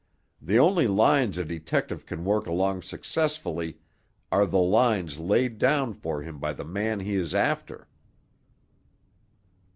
"The only lines a detective can work along successfully are the lines laid down for him by the man he is after."